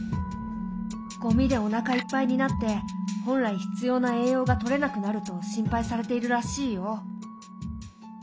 ゴミでおなかいっぱいになって本来必要な栄養がとれなくなると心配されているらしいよ。